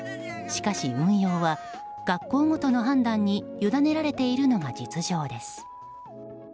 しかし運用は学校ごとの判断にゆだねられているのが実情です。